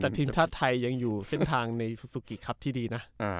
แต่ทีมชาติไทยยังอยู่เส้นทางในซูซูกิครับที่ดีนะ